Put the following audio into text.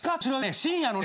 深夜のね